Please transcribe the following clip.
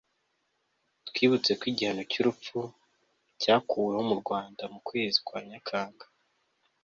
twibutse ko igihano cy'urupfu cyakuweho mu rwanda mu kwezi kwa nyakanga